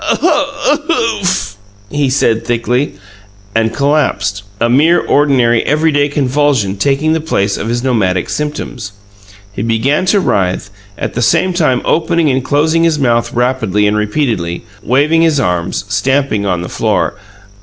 "Uff! OOOFF!" he said thickly, and collapsed a mere, ordinary, every day convulsion taking the place of his pneumatic symptoms. He began to writhe, at the same time opening and closing his mouth rapidly and repeatedly, waving his arms, stamping on the floor.